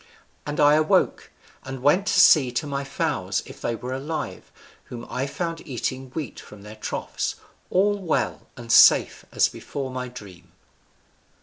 And I awoke, and went to see to my fowls if they were alive, whom I found eating wheat from their troughs, all well and safe as before my dream."